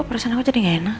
perasaan aku jadi gak enak